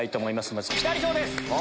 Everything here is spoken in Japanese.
まずピタリ賞です。